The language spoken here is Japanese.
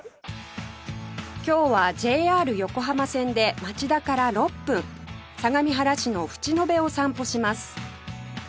今日は ＪＲ 横浜線で町田から６分相模原市の淵野辺を散歩します